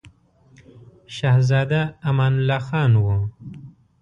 شهزاده امان الله خان وو.